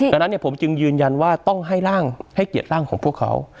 ดังนั้นผมจึงยืนยันว่าต้องให้ร่างให้เกียรติร่างของพวกเขา